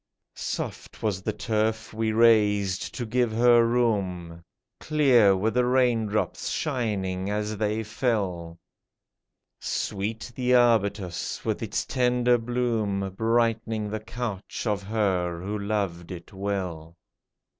Soft was the turf we raised to give her room ; Clear were the rain drops, shining as they fell ; Sweet the arbutus, with its tender bloom Brightening the couch of her who loved it well.